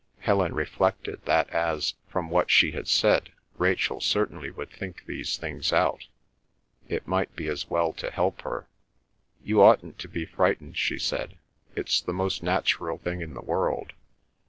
Helen reflected that as, from what she had said, Rachel certainly would think these things out, it might be as well to help her. "You oughtn't to be frightened," she said. "It's the most natural thing in the world.